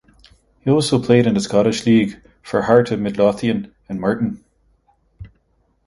He also played in the Scottish League for Heart of Midlothian and Morton.